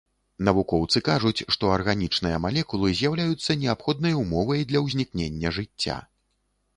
Навукоўцы кажуць, што арганічныя малекулы з'яўляюцца неабходнай умовай для ўзнікнення жыцця.